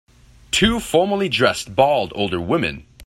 Two formally dressed, bald older women